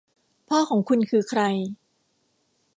พ่อของคุณคือใคร